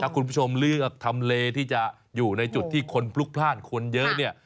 คุณผู้ชมเลือกทำเลที่จะอยู่ในจุดที่คนพลุกพลาดคนเยอะเนี่ย